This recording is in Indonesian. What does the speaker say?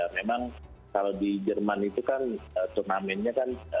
memang kalau di jerman itu kan turnamennya kan